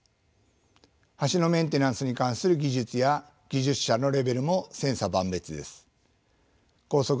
橋のメンテナンスに関する技術や技術者のレベルも千差万別です。